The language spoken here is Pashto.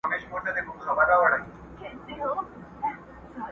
که نه څنګه دي زده کړې دا خبري.!